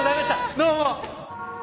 どうも！